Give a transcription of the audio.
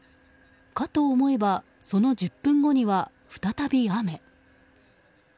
かと思えば、その１０分後には再び雨。